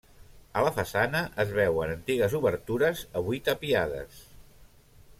A la façana es veuen antigues obertures avui tapiades.